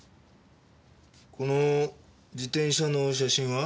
この自転車の写真は？